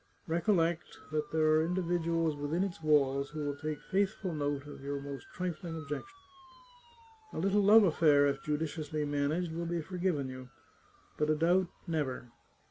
Recollect that there are individuals within its walls who will take faithful note of your most trifling objections. A little love afTair, if ju diciously managed, will be forgiven you, but a doubt, never